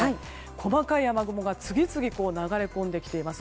細かい雨雲が次々に流れ込んできています。